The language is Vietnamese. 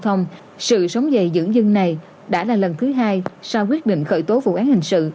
trong cuối tuần sự sống dày dưỡng dưng này đã là lần thứ hai sau quyết định khởi tố vụ án hình sự